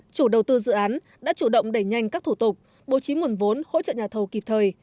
chủ đầu tư dự án đã chủ động đẩy nhanh các thủ tục bố trí nguồn vốn hỗ trợ nhà thầu kịp thời